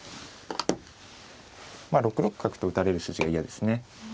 ６六角と打たれる筋が嫌ですね。